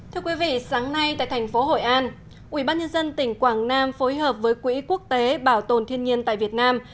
thưa quý vị sáng nay tại thành phố hội an ubnd tỉnh quảng nam phối hợp với quỹ quốc tế bảo tồn thiên nhiên tại việt nam